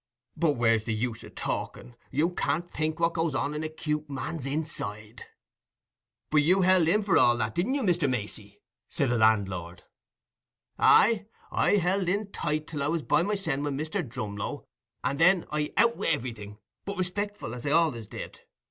But where's the use o' talking?—you can't think what goes on in a 'cute man's inside." "But you held in for all that, didn't you, Mr. Macey?" said the landlord. "Aye, I held in tight till I was by mysen wi' Mr. Drumlow, and then I out wi' everything, but respectful, as I allays did.